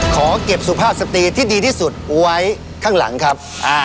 ขอเก็บสุภาพสตรีที่ดีที่สุดไว้ข้างหลังครับ